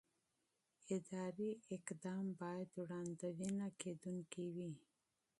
اداري اقدام باید وړاندوينه کېدونکی وي.